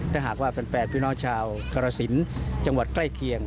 ถ้าหากว่าแฟนพี่น้องชาวกรสินจังหวัดใกล้เคียง